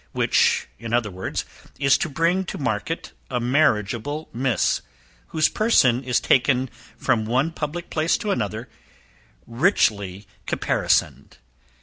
Which, in other words, is to bring to market a marriageable miss, whose person is taken from one public place to another, richly caparisoned.